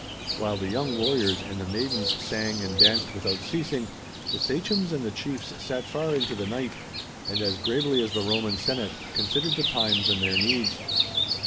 While the young warriors and the maidens sang and danced without ceasing, the sachems and the chiefs sat far into the night, and as gravely as the Roman Senate, considered the times and their needs.